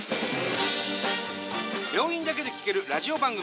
病院だけで聴けるラジオ番組。